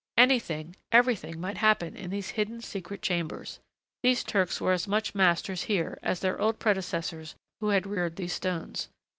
Anything, everything might happen in these hidden, secret chambers. These Turks were as much masters here as their old predecessors who had reared these stones.